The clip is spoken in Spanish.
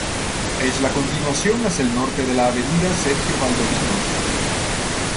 Es la continuación hacia el norte de la avenida Sergio Valdovinos.